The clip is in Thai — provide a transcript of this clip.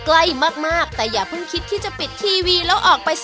แล้วก็เส้นข้นแบบนี้นะครับ